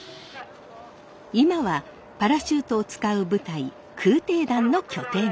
今はパラシュートを使う部隊空挺団の拠点。